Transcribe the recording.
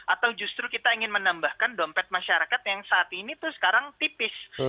atau justru kita ingin menambahkan dompet masyarakat yang saat ini tuh sekarang tipis